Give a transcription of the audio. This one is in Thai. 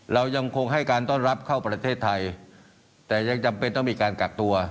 เรายังคงให้การต้อนรับเข้าประเทศไทยแต่ยังจำเป็นต้องมีการกักตัว